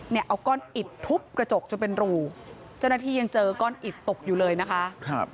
เอาก้อนอิดทุบกระจกจนเป็นรูเจ้าหน้าที่ยังเจอก้อนอิดตกอยู่เลยนะคะครับ